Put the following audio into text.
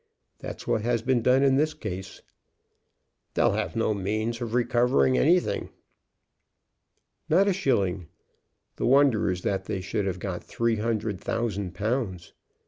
That's what has been done in this case." "They'll have no means of recovering anything." "Not a shilling. The wonder is that they should have got three hundred thousand pounds.